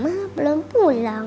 mama juga belum pulang